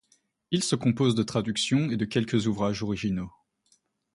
Ils se composent de traductions et de quelques ouvrages originaux.